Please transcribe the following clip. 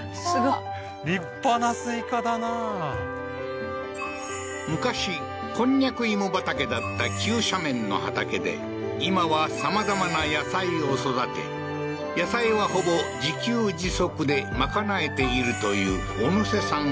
立派昔コンニャク芋畑だった急斜面の畑で今はさまざまな野菜を育て野菜はほぼ自給自足でまかなえているという小野瀬さん